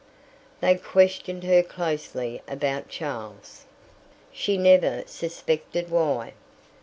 They questioned her closely about Charles. She never suspected why.